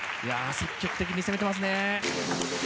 積極的に攻めてますね。